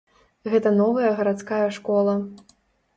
Гэта новая гарадская школа.